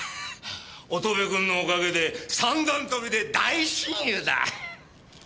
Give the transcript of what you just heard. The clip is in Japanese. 乙部君のおかげで三段跳びで大親友だ！